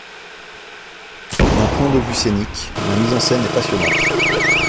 D'un point de vue scénique, la mise en scène est passionnante.